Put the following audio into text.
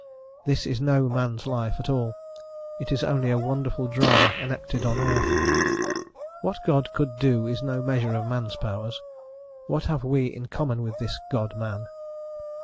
This is no man's life at all, it is only a wonderful drama enacted on earth. What God could do is no measure of man's powers: what have we in common with this "God man?"